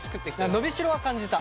伸びしろは感じた。